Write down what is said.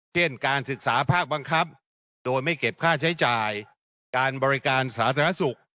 เช่นการศึกษาภาคบังคับโดยไม่เก็บค่าใช้จ่ายการบริการสาธารณสุข